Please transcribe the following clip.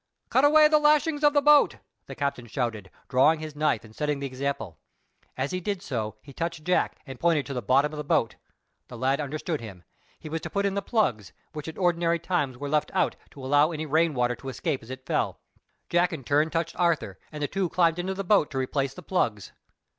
"Cut away the lashings of the boat!" the captain shouted, drawing his knife and setting the example. As he did so he touched Jack and pointed into the bottom of the boat. The lad understood him. He was to put in the plugs, which at ordinary times were left out to allow any rain water to escape as it fell. Jack in turn touched Arthur, and the two climbed into the boat to replace the plugs.